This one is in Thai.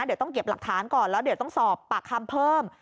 เดี๋ยวต้องเก็บหลักฐานก่อนแล้วเดี๋ยวต้องสอบปากคำเพิ่ม